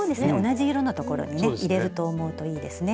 同じ色のところにね入れると思うといいですね。